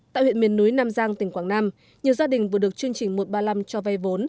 tại huyện miền núi nam giang tỉnh quảng nam nhiều gia đình vừa được chương trình một trăm ba mươi năm cho vay vốn